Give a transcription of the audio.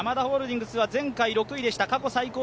ヤマダホールディングスは前回６位でした。